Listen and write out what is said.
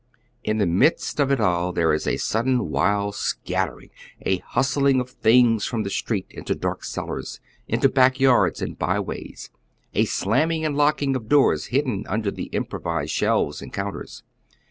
In the midst of it ail there is a sudden wild scattering, a hustling of things from the street into dark cellars, into back yards and by ways, a slamming and locking of doors hidden under the improvised shelves and counters.